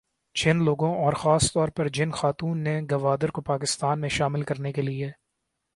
جن لوگوں اور خاص طور پر جن خاتون نے گوادر کو پاکستان میں شامل کرنے کے لیے